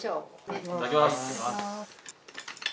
いただきます。